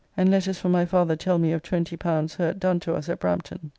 And letters from my father tell me of L20 hurt done to us at Brampton.